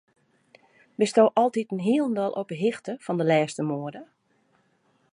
Bisto altiten hielendal op 'e hichte fan de lêste moade?